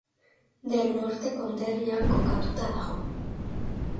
Del Norte konderrian kokatua dago.